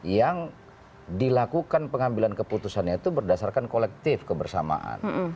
yang dilakukan pengambilan keputusannya itu berdasarkan kolektif kebersamaan